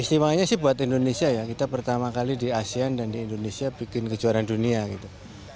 istimewanya sih buat indonesia ya kita pertama kali di asean dan di indonesia bikin kejuaraan dunia gitu